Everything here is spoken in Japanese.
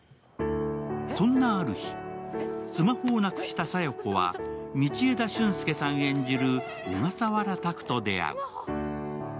そんなある日、スマホをなくした佐弥子は道枝駿佑さん演じる小笠原拓と出会う。